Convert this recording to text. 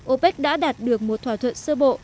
opec đã đạt được một thỏa thuận sơ bộ